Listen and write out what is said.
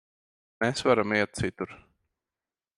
Mēs varam iet citur.